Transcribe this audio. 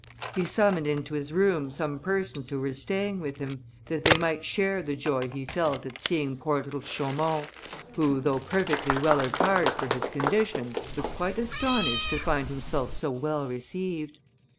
He summoned into his room some persons who were staying with him, that they might share the joy he felt at seeing poor little Chaumont, who, though perfectly well attired for his condition, was quite astonished to find himself so well received.